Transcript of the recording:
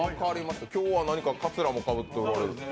今日は何かかつらもかぶっておられる。